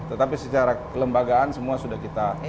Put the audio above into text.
tetapi secara kelembagaan semua sudah kita